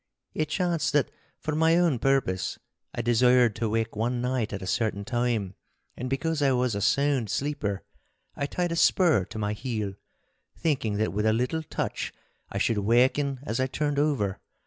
It chanced that for my own purpose I desired to wake one night at a certain time, and because I was a sound sleeper, I tied a spur to my heel, thinking that with a little touch I should waken as I turned over.